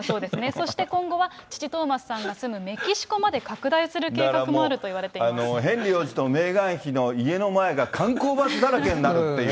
そして今後は父、トーマスさんが住むメキシコまで拡大する計画もあるといわれていだからもう、ヘンリー王子とメーガン妃の家の前が観光バスだらけになるっていう。